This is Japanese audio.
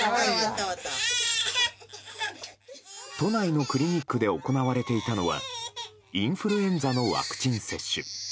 都内のクリニックで行われていたのはインフルエンザのワクチン接種。